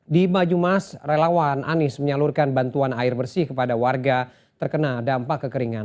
di banyumas relawan anies menyalurkan bantuan air bersih kepada warga terkena dampak kekeringan